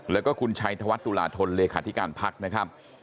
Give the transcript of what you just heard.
แล้วก็คุณชัยธวัฒนตุลาธนเลขาธิการพักนะครับ